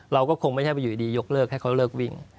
เราก็คงไม่ใช่ว่าอยู่ดียกเลิกให้เขาเลิกวิ่ง